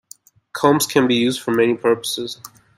Combs can be used for many purposes.